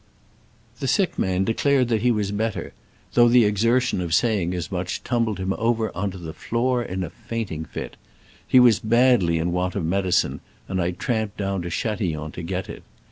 The sick man declared that he was better, though the exertion of saying as much tumbled him over on to the floor in a fiainting fit. He was badly in want of medicine, and I tramped down to Chatillon to get it.